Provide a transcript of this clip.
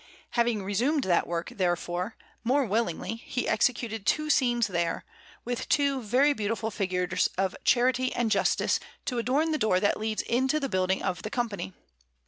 Having resumed that work, therefore, more willingly, he executed two scenes there, with two very beautiful figures of Charity and Justice to adorn the door that leads into the building of the Company.